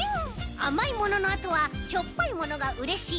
あまいもののあとはしょっぱいものがうれしいおいしいおてんき。